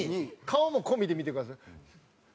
顔も込みで見てください。